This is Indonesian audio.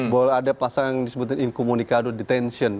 bahwa ada pasal yang disebutin incumunicado detention